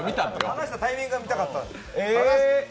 離すタイミングが見たかった。